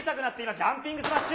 ジャンピングスマッシュ。